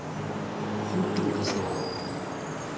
ほんとに活動がないっていう。